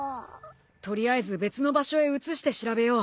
取りあえず別の場所へ移して調べよう。